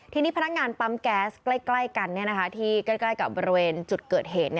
ทีนี้พนักงานปั๊มแก๊สใกล้กันที่ใกล้กับบริเวณจุดเกิดเหตุ